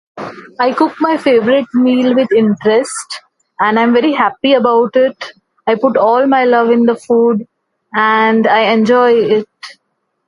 I cook my favorite meal with [unclear|imprest?]. And I'm very happy about it. I put all my love in the food and I enjoy it.